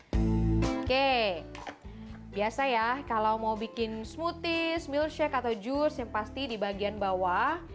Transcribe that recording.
oke biasa ya kalau mau bikin smoothies mill shake atau jus yang pasti di bagian bawah